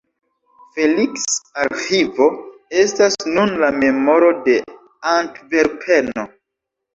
Feliks-Arĥivo estas nun la memoro de Antverpeno.